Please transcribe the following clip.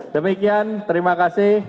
demikian terima kasih